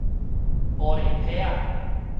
玻璃杮仔